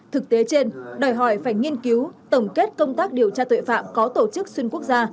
thực tế trên đòi hỏi phải nghiên cứu tổng kết công tác điều tra tội phạm có tổ chức xuyên quốc gia